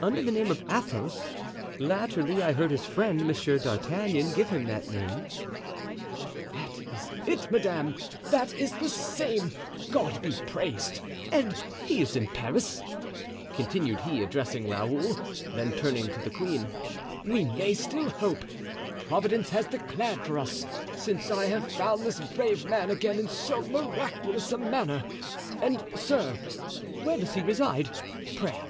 "Under the name of Athos. Latterly I heard his friend, Monsieur d'Artagnan, give him that name." "That is it, madame, that is the same. God be praised! And he is in Paris?" continued he, addressing Raoul; then turning to the queen: "We may still hope. Providence has declared for us, since I have found this brave man again in so miraculous a manner. And, sir, where does he reside, pray?"